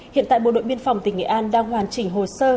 hiện tại bộ đội biên phòng tỉnh nghệ an đang hoàn chỉnh hồ sơ